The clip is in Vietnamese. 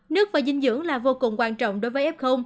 nước và dinh dưỡng là vô cùng quan trọng đối với f